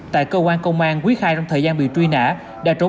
tại cơ quan công an quý khai trong thời gian bị truy nã đã trốn